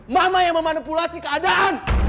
mama yang memanipulasi keadaan